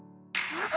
あっ。